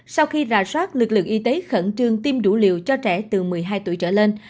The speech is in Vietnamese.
sau khi rà soát lực lượng y tế khẩn trương tiêm đủ liều cho trẻ từ một mươi hai tuổi trở lên